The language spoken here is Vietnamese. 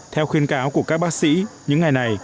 theo khuyên cáo của các bác sĩ những ngày này